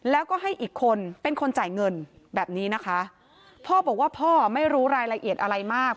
แล้วก็ให้อีกคนเป็นคนจ่ายเงินแบบนี้นะคะพ่อบอกว่าพ่อไม่รู้รายละเอียดอะไรมาก